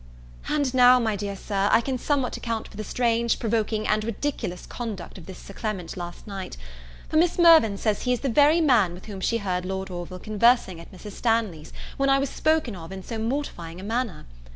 And now, my dear Sir, I can somewhat account for the strange, provoking, and ridiculous conduct of this Sir Clement last night; for Miss Mirvan says he is the very man with whom she heard Lord Orville conversing at Mrs. Stanley's, when I was spoken of in so mortifying a manner.